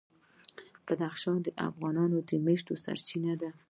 بدخشان د افغانانو د معیشت سرچینه ده.